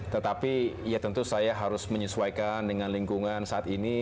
tetapi ya tentu saya harus menyesuaikan dengan lingkungan saat ini